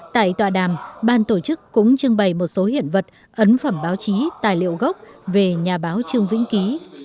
tại tòa đàm ban tổ chức cũng trưng bày một số hiện vật ấn phẩm báo chí tài liệu gốc về nhà báo trương vĩnh ký